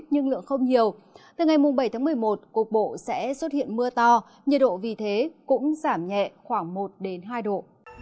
nhưng lượng không nhiều từ ngày mùng bảy một mươi một cục bộ sẽ xuất hiện mưa to nhiệt độ vì thế cũng giảm nhẹ khoảng một hai độ